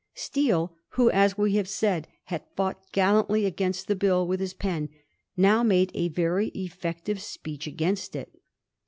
Steele, who, as we have seen, had fought gallantly against the Bill with his pen, now made a very effective sj)eech against it.